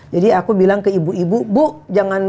jadi aku bilang ke ibu ibu bu jangan